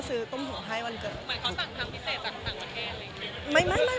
คือเหมือนเค้าสั่งทางพิเศษทั้งสี่ประเทศ